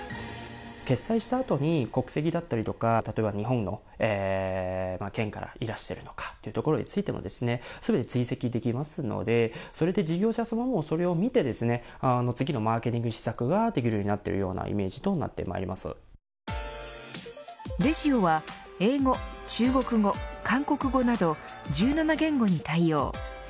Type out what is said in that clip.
決済した後に国籍だったりとか日本の県からいらしているのかというところについても全て追跡できますのでそれで事業者さまもそれを見て次のマーケティング施策ができるようになっているようなｒｅｚｉｏは英語、中国語韓国語など１７言語に対応。